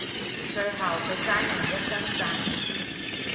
最後佢爭人一身債